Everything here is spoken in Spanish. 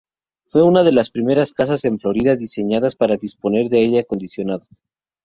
Fue una de las primeras casas en Florida diseñadas para disponer de aire acondicionado.